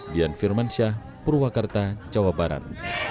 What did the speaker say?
dian firman syah purwakarta jawa barat